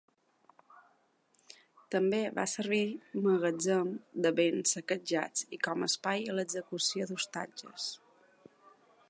També va servir magatzem de béns saquejats i com espai per a l’execució d'ostatges.